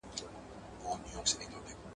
د چلم سر، د پلو پاى.